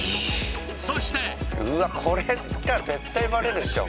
そしてうわこれ食ったら絶対バレるでしょ